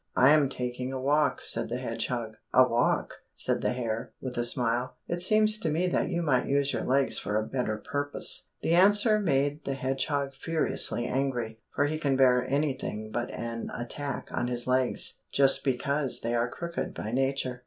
"I am taking a walk," said the hedgehog. "A walk!" said the hare, with a smile. "It seems to me that you might use your legs for a better purpose." This answer made the hedgehog furiously angry, for he can bear anything but an attack on his legs, just because they are crooked by nature.